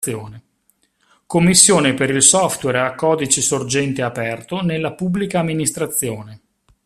Commissione per il Software a Codice Sorgente Aperto nella Pubblica Amministrazione.